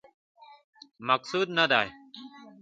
مقصود نه دی.